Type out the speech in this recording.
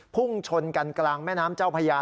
พุ่งชนกันกลางแม่น้ำเจ้าพญา